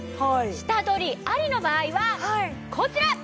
下取りありの場合はこちら！